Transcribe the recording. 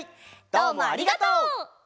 どうもありがとう！